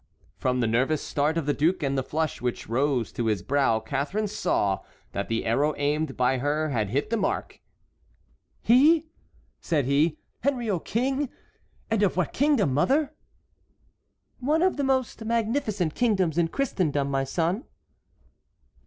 From the nervous start of the duke and the flush which rose to his brow Catharine saw that the arrow aimed by her had hit the mark. "He?" said he, "Henriot king? And of what kingdom, mother?" "One of the most magnificent kingdoms in Christendom, my son."